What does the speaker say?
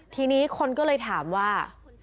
ทีนี้คนก็เลยถามว่า